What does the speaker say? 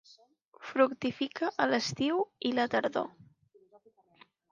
Fructifica a l'estiu i la tardor.